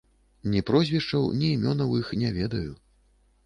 Ні прозвішчаў, ні імёнаў іх не ведаю.